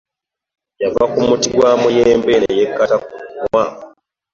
Yava ku muti gwa muyembe ne yekkata ku ddimwa.